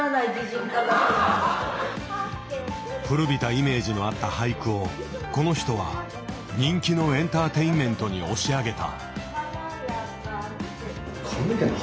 古びたイメージのあった俳句をこの人は人気のエンターテインメントに押し上げた。